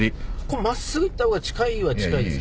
真っすぐ行った方が近いは近いですけど。